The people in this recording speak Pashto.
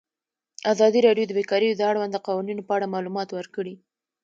ازادي راډیو د بیکاري د اړونده قوانینو په اړه معلومات ورکړي.